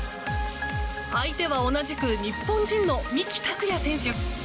相手は同じく日本人の三木拓也選手。